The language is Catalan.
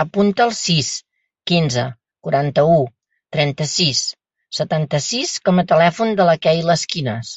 Apunta el sis, quinze, quaranta-u, trenta-sis, setanta-sis com a telèfon de la Keyla Esquinas.